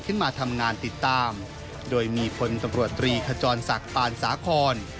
ขึ้นมาทำงานติดตามโดยมีพลตำรวจตรีขจรศักดิ์ปานสาคอน